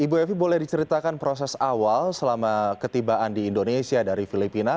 ibu evi boleh diceritakan proses awal selama ketibaan di indonesia dari filipina